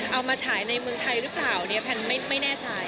เอามาฉายในเมืองไทยหรือเปล่าแม่แน่ใจ